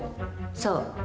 そう。